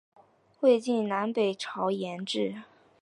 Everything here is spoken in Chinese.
魏晋南北朝沿置。